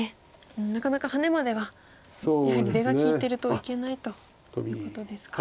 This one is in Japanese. なかなかハネまではやはり出が利いてるといけないということですか。